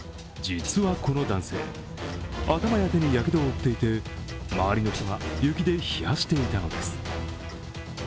実はこの男性、頭や手にやけどを負っていて周りの人が雪で冷やしていたのです。